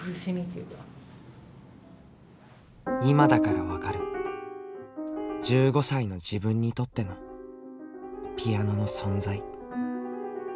今だから分かる１５歳の自分にとってのピアノの存在。